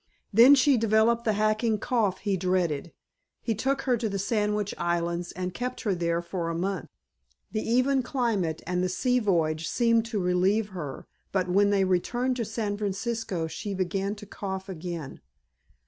Then she developed the hacking cough he dreaded. He took her to the Sandwich Islands and kept her there for a month. The even climate and the sea voyage seemed to relieve her, but when they returned to San Francisco she began to cough again.